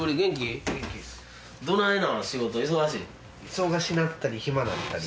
忙しなったり暇なったり。